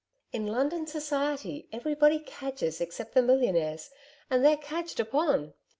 In London Society everybody cadges except the millionaires and they're cadged upon...